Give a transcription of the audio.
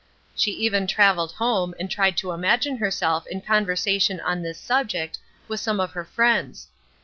She even traveled home and tried to imagine herself in conversation on this subject with some of her friends.